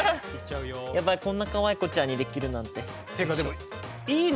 こんなかわい子ちゃんにできるなんて。